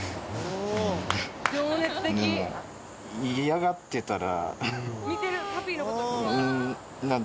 でも嫌がってたら。